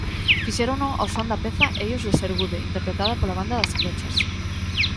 Fixérono ao son da peza "Ei, os de Sergude!", interpretada pola Banda das Crechas.